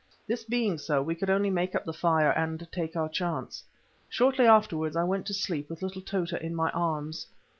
This being so we could only make up the fire and take our chance. Shortly afterwards I went to sleep with little Tota in my arms.